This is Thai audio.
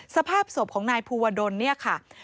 สภาพศพของนายภูวดลเนี่ยค่ะ